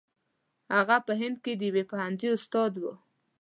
هغه په هند کې د یوه پوهنځي استاد وو.